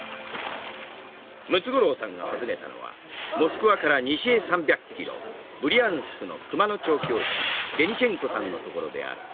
ムツゴロウさんが訪ねたのはモスクワから西へ３００ｋｍブリャンスクの熊の調教師デニシェンコさんのところである。